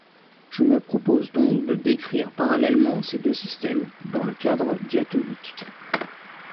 Je me propose donc de décrire parallèlement ces deux systèmes, dans le cadre diatonique.